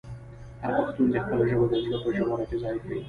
هر پښتون دې خپله ژبه د زړه په ژوره کې ځای کړي.